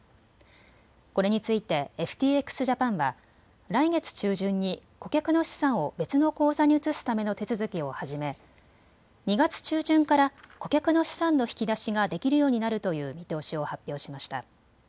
これについてＦＴＸジャパンは来月中旬に顧客の資産を別の口座に移すための手続きを始め２月中旬から顧客の資産の引き出しができるようになるという見通しを発表しました。